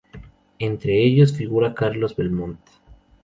Entre ellos figura Carlos Belmont.